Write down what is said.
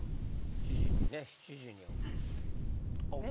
７時にね７時に起きる。